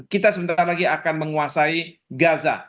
kita sebentar lagi akan menguasai gaza